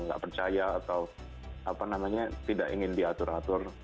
nggak percaya atau apa namanya tidak ingin diatur atur